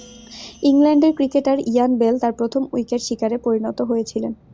ইংল্যান্ডের cricketer Ian Bell তার প্রথম উইকেট শিকারে পরিণত হয়েছিলেন।